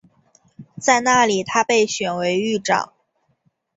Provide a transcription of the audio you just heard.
在那里他被选为狱长。